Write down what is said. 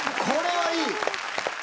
これはいい！